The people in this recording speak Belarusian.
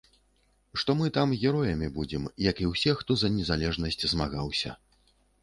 Што мы там героямі будзем, як і ўсе, хто за незалежнасць змагаўся.